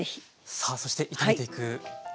さあそして炒めていくんですね。